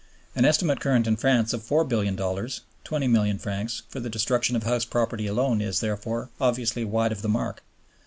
An estimate current in France of $4,000,000,000 (20 milliard francs) for the destruction of house property alone is, therefore, obviously wide of the mark.